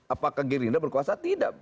apakah gerinda berkuasa tidak